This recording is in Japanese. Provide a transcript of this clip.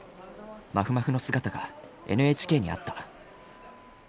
まふまふの姿がＮＨＫにあった。